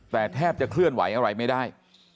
แต่แทบจะเคลื่อนไหวอะไรไม่ได้